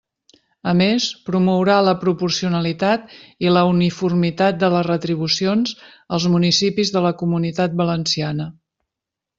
A més, promourà la proporcionalitat i la uniformitat de les retribucions als municipis de la Comunitat Valenciana.